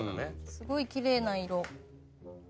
すごいきれいな色。